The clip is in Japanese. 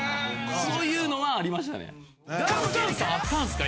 そういうのはありましたね。